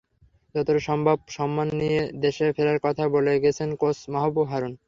যতটা সম্ভব সম্মান নিয়ে দেশে ফেরার কথাই বলে গেছেন কোচ মাহবুব হারুন।